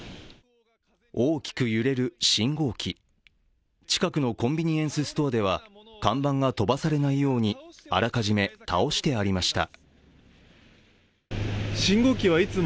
大きく揺れる信号機、近くのコンビニエンスストアでは看板が飛ばされないようにあらかじめ倒してありました。